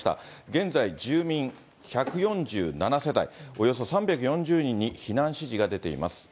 現在、住民１４７世帯およそ３４０人に避難指示が出ています。